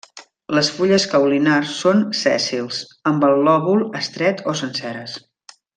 Les fulles caulinars són sèssils, amb el lòbul estret o senceres.